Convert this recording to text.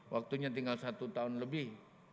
waktunya tinggal satu tahun lebih